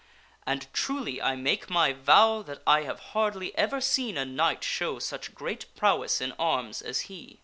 And truly I make my vow that I have hardly ever seen a knight show such great prowess in arms as he.